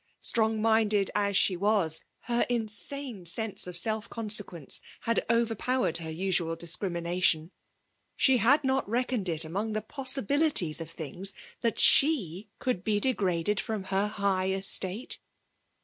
Strong minded as she was, her insane sense of setf consequence had overpowered her usual discrimination. She had not reckoned it among the possibilities of things that she could be degraded from her high estate.